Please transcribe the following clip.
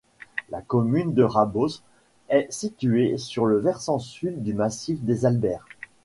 La commune de Rabós est située sur le versant sud du massif des Albères.